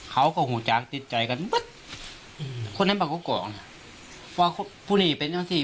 เขาก็หูจักติดใจกันคนนั้นแบบก็กล่องว่าผู้หนีเป็นอย่างสี่